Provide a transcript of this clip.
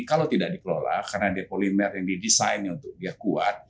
kalau tidak dikelola karena dia polimer yang didesain untuk dia kuat